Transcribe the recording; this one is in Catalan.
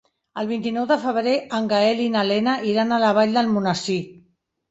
El vint-i-nou de febrer en Gaël i na Lena iran a la Vall d'Almonesir.